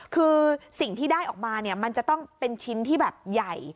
คือสิ่งที่ได้ออกมาเนี่ยมันจะต้องเป็นชิ้นที่แบบใหญ่